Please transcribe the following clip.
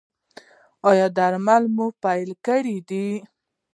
ایا درمل مو پیل کړي دي؟